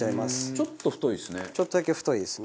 ちょっとだけ太いですね。